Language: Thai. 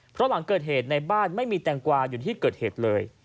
เพราะหลังเกิดเหตุในบ้านไม่มีแตงกวาอยู่ที่เกิดเหตุเลย